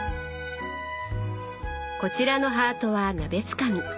こちらのハートは鍋つかみ。